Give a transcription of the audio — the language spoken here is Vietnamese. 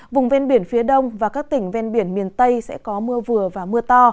vùng ven biển phía đông và các tỉnh ven biển miền tây sẽ có mưa vừa và mưa to